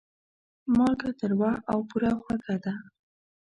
مالګه تروه او بوره خوږه ده.